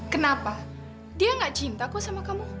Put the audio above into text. kenapa dia gak cinta kok sama kamu